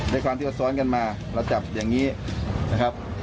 ด้วยความที่เราซ้อนกันมาเราจับอย่างนี้นะครับ